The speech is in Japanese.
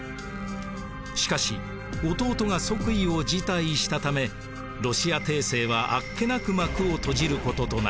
しかし弟が即位を辞退したためロシア帝政はあっけなく幕を閉じることとなりました。